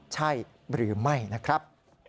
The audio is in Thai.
ใช่หรือไม่นะครับ